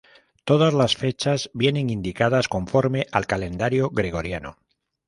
Todas las fechas vienen indicadas conforme al calendario gregoriano.